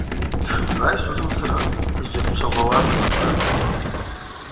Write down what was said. Дшымгӏвайсуазымцара зджьакӏ чвагъвауата йбатӏ.